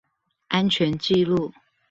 安全紀錄